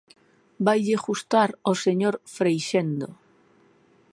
Vaille gustar ao señor Freixendo.